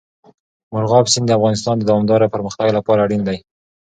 مورغاب سیند د افغانستان د دوامداره پرمختګ لپاره اړین دي.